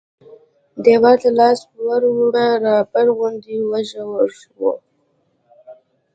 دیوال ته لاس ور ووړ رابر غوندې و ژور و.